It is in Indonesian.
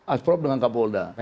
asprop dengan kapolda